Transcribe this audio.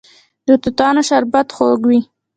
د توتانو شربت خوږ وي.